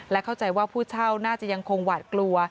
เข้าใจว่าผู้เช่าน่าจะยังคงหวาดกลัว